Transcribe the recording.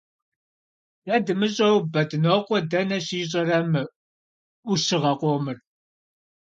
Дэ дымыщӀэу, Бэдынокъуэ дэнэ щищӀэрэ мы Ӏущыгъэ къомыр?